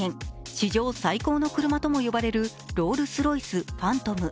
史上最高の車とも呼ばれるロールス・ロイス、ファントム。